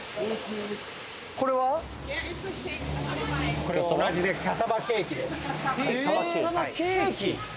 これは同じでキャッサバケーキ？